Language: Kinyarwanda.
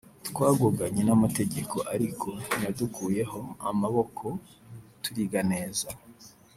twagoganye n’amategeko ariko ntiyadukuyeho amaboko turiga neza